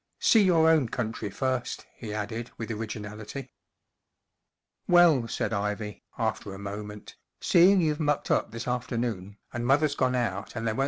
See your own country first*" he added* with originality, M Well/' said Ivy, after a moment* lf seeing you've mucked up this afternoon* and mother's gone out and there won't be any A _ T I I a.